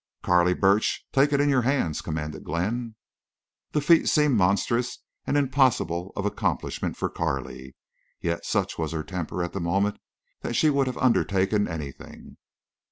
"Carley Burch, take it in your hands," commanded Glenn. The feat seemed monstrous and impossible of accomplishment for Carley. Yet such was her temper at the moment that she would have undertaken anything.